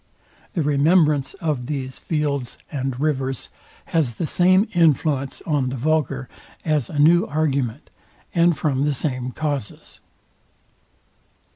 The remembrance of these fields and rivers has the same influence on the vulgar as a new argument; and from the same causes.